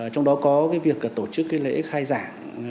trong đó có việc tổ chức lễ khai giảng